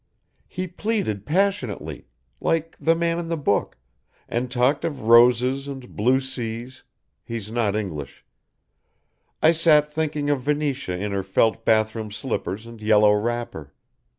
"He pleaded passionately like the man in the book, and talked of roses and blue seas he's not English I sat thinking of Venetia in her felt bath room slippers and yellow wrapper.